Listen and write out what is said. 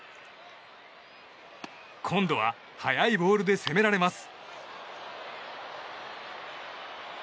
今度は速いボールで攻められます。